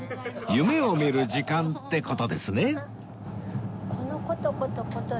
夢を見る時間って事ですね